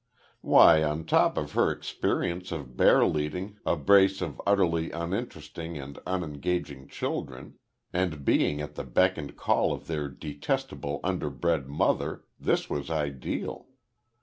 Why, on top of her experience of bearleading a brace of utterly uninteresting and unengaging children and being at the beck and call of their detestable underbred mother, this was ideal.